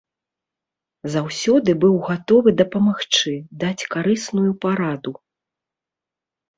Заўсёды быў гатовы дапамагчы, даць карысную параду.